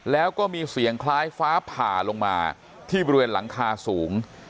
แล้วก็มีเสียงคล้ายฟ้าผ่าลงมาที่บริเวณหลังคาสูง